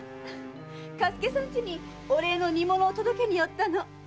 嘉助さんちにお礼の煮物を届けに寄ったの。